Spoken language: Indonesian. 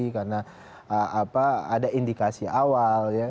karena ada indikasi awal